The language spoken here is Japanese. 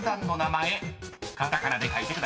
カタカナで書いてください］